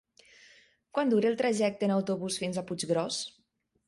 Quant dura el trajecte en autobús fins a Puiggròs?